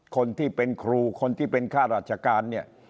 คนที่เป็นครูคนที่เป็นข้าราชการเนี่ย